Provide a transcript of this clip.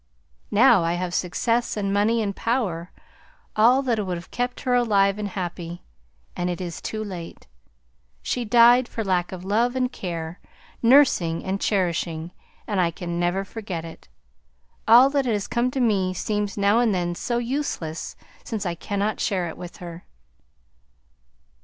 Now I have success and money and power, all that would have kept her alive and happy, and it is too late. She died for lack of love and care, nursing and cherishing, and I can never forget it. All that has come to me seems now and then so useless, since I cannot share it with her!"